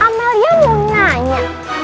amelia mau nanya